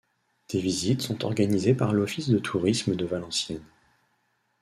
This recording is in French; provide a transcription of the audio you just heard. Des visites sont organisées par l'Office de Tourisme de Valenciennes.